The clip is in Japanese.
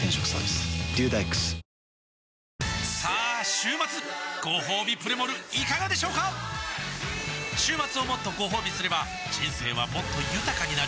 週末ごほうびプレモルいかがでしょうか週末をもっとごほうびすれば人生はもっと豊かになる！